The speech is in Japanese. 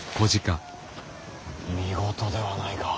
見事ではないか。